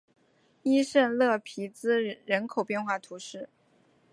圣伊勒皮兹人口变化图示